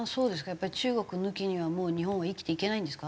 やっぱり中国抜きにはもう日本は生きていけないんですか？